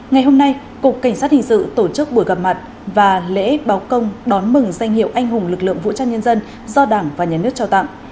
ngày hôm nay cục cảnh sát hình sự tổ chức buổi gặp mặt và lễ báo công đón mừng danh hiệu anh hùng lực lượng vũ trang nhân dân do đảng và nhà nước trao tặng